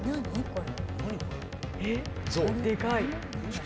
これ。